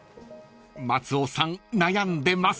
［松尾さん悩んでます］